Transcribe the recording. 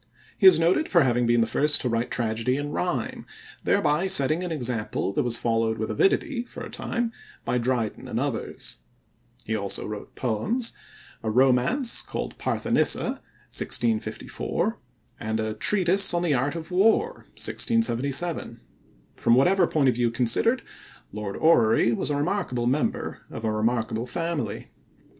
He is noted for having been the first to write tragedy in rhyme, thereby setting an example that was followed with avidity for a time by Dryden and others. He also wrote poems, a romance called Parthenissa (1654), and a Treatise on the Art of War (1677). From whatever point of view considered, Lord Orrery was a remarkable member of a remarkable family.